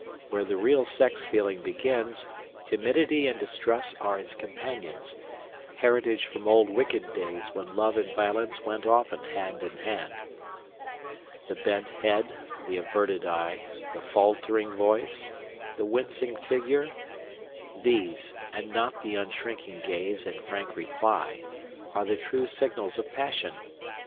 Where the real sex feeling begins, timidity and distrust are its companions, heritage from old wicked days when love and violence went often hand in hand. The bent head, the averted eye, the faltering voice, the wincing figure these, and not the unshrinking gaze and frank reply, are the true signals of passion.